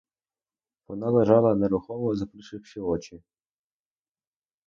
Вона лежала нерухомо, заплющивши очі.